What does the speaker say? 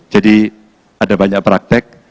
jadi ada banyak praktek